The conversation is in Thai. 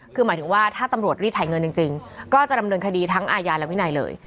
คือหมายถึงว่าถ้าตำรวจรีดถ่ายเงินจริงก็จะดำเนินคดีทั้งอาญาและวินัยเลย